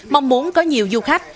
mong muốn có nhiều du khách